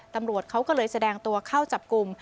ตำรวจเขาก็เลยแสดงตัวเข้าจับกลุ่ม